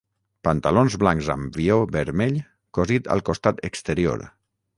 Pantalons blancs amb vió vermell cosit al costat exterior.